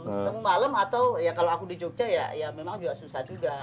ketemu malam atau ya kalau aku di jogja ya memang juga susah juga